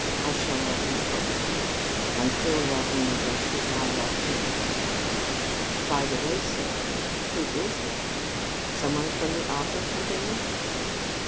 I shall love him forever and he'll love me just as I love him." "By the way," said Kate, "who is he? Someone from the opera company?"